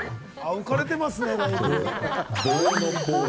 浮かれてますね、だいぶ。